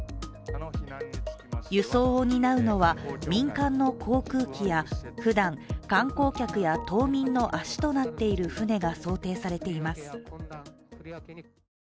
輸送を担うのは民間の航空機やふだん、観光客や島民の足となっている船が想定されています。